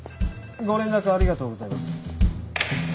ご連絡ありがとうございます。